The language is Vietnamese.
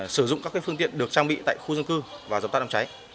sử dụng các phương tiện được trang bị tại khu dân cư và dòng tát đám cháy